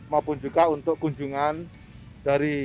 maupun juga untuk kunjungan dari